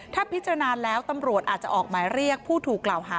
ถ้าพิจารณาแล้วตำรวจอาจจะออกหมายเรียกผู้ถูกกล่าวหา